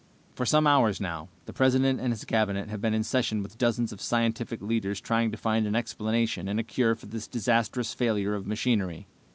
"For some hours now, the President and his Cabinet have been in session with dozens of scientific leaders trying to find an explanation and a cure for this disastrous failure of machinery.